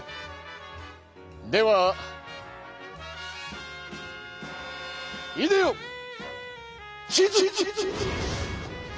ではいでよ地図！